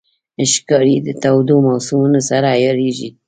ښکاري د تودو موسمونو سره عیارېږي.